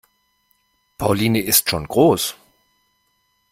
Pauline ist schon groß.